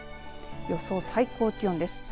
予想最高気温です。